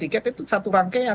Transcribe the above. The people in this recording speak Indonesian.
tiket itu satu rangkaian